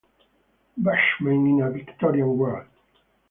"Bushmen in a Victorian World".